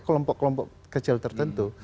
kelompok kelompok kecil tertentu